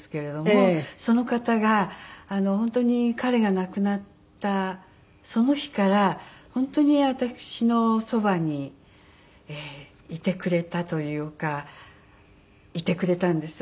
その方が本当に彼が亡くなったその日から本当に私のそばにいてくれたというかいてくれたんです。